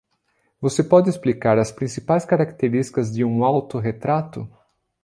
Você pode explicar as principais características de um auto-retrato?